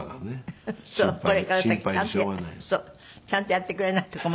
ちゃんとやってくれないと困るから。